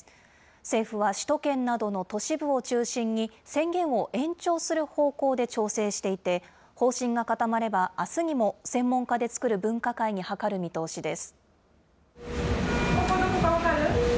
政府は首都圏などの都市部を中心に、宣言を延長する方向で調整していて、方針が固まれば、あすにも専門家で作る分科会に諮る見通しです。